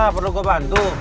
perlu gue bantu